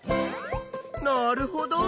なるほど！